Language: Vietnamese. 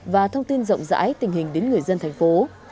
và thông tin rộng rãi tình hình đến người dân thành phố